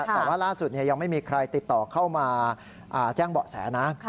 แต่ว่าล่าสุดยังไม่มีใครติดต่อเข้ามาแจ้งเบาะแสนะ